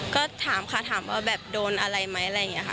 ก็ถามค่ะถามว่าแบบโดนอะไรไหมอะไรอย่างนี้ค่ะ